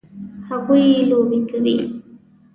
هغوی لوبې کوي